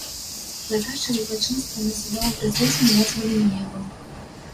Заказчык злачынства на судовым працэсе названы не быў.